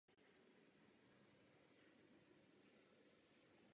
Nejde jen o hodnocení úrovně reziduí v potravinách.